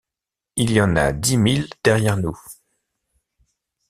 Il y en a dix mille derrière nous.